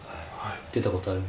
出たことある？